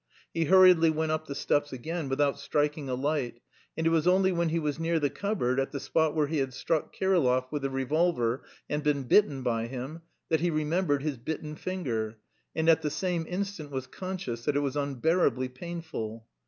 He hurriedly went up the steps again without striking a light, and it was only when he was near the cupboard, at the spot where he had struck Kirillov with the revolver and been bitten by him, that he remembered his bitten finger, and at the same instant was conscious that it was unbearably painful.